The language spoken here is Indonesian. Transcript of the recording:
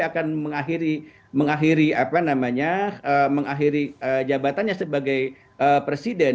pak jokowi akan mengakhiri jabatannya sebagai presiden